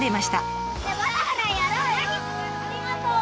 ありがとう！